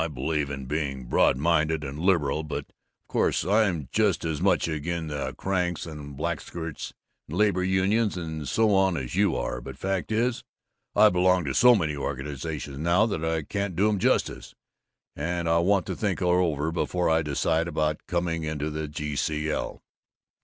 I believe in being broad minded and liberal, but, of course, I'm just as much agin the cranks and blatherskites and labor unions and so on as you are. But fact is, I belong to so many organizations now that I can't do 'em justice, and I want to think it over before I decide about coming into the G.C.L."